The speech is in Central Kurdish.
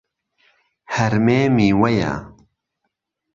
هەرمێ میوەیە.